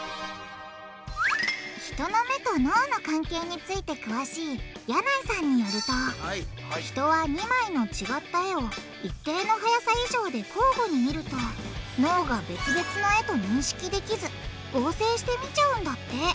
人の目と脳の関係について詳しい矢内さんによると人は２枚の違った絵を一定の速さ以上で交互に見ると脳が別々の絵と認識できず合成して見ちゃうんだって。